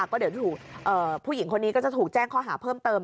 พวกผู้หญิงคนนี้ก็จะถูกแจ้งคอหาเพิ่มเติม